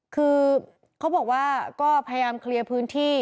คือเขาบอกว่าก็พยายามเคลียร์พื้นที่